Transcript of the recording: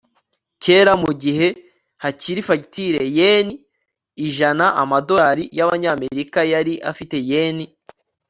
Kera mugihe hakiri fagitire yen ijana amadolari yabanyamerika yari afite yen